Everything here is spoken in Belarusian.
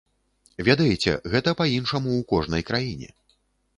Ведаеце, гэта па-іншаму ў кожнай краіне.